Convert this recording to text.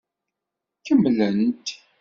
Kemmlent.